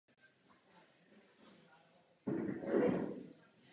Peří samce je na zádech olivově zelené a místy nahnědlé.